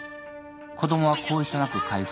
子供は後遺症なく回復。